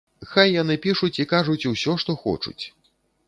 Хай яны пішуць і кажуць усё, што хочуць.